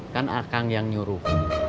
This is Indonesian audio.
kan akang yang nyuruh